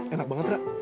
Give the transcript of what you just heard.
enak banget ya